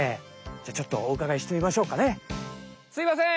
じゃあちょっとおうかがいしてみましょうかね。すいません。